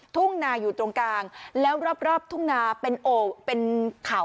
ทุ่งนาอยู่ตรงกลางแล้วรอบทุ่งนาเป็นโอ่งเป็นเขา